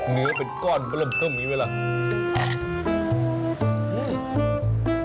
เนื้อเป็นก้อนเปลื้อลมอยู่แล้ว